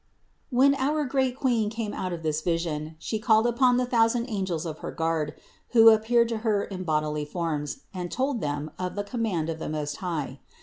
193. When our great Queen came out of this vision, She called upon the thousand angels of her guard, who appeared to Her in bodily forms, and told them of the command of the Most High.